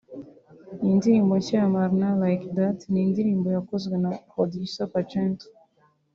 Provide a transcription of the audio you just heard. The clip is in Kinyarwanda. Iyi ndirimbo nshya ya Marina ‘Like That’ ni indirimbo yakozwe na Producer Pacento